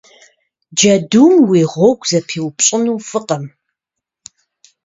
Джэдум уи гъуэгу зэпиупщӏыну фӏыкъым.